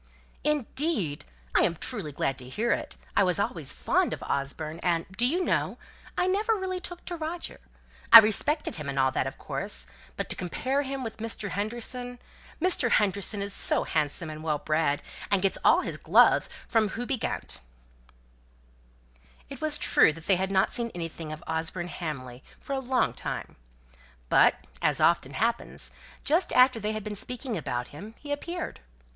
"Indeed! I am truly glad to hear it. I always was fond of Osborne; and, do you know, I never really took to Roger? I respected him and all that, of course; but to compare him with Mr. Henderson! Mr. Henderson is so handsome and well bred, and gets all his gloves from Houbigant!" It was true that they had not seen anything of Osborne Hamley for a long time; but, as it often happens, just after they had been speaking about him he appeared.